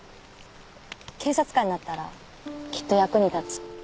警察官になったらきっと役に立つ。